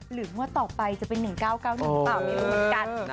งวดต่อไปจะเป็น๑๙๙๑หรือเปล่าไม่รู้เหมือนกัน